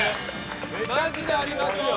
マジでありますよ！